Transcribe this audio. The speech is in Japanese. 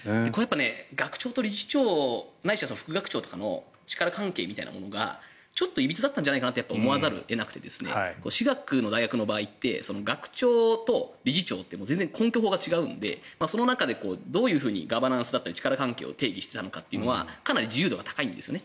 学長と理事長ないしは副学長との力関係みたいなものがちょっといびつだったんじゃないかなと思わざるを得なくて私学の大学の場合学長と理事長って全然根拠法が違うので、その中でどうガバナンスや力関係を定義していたのかというのはかなり自由度が高いんですね。